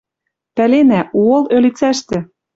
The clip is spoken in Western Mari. Пӓленӓ, Уолл-ӧлицӓштӹ